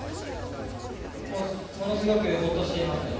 ものすごくほっとしてますね。